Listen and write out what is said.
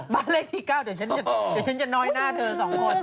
บ้านเลขที่๙เดี๋ยวฉันจะน้อยหน้าเธอ๒คน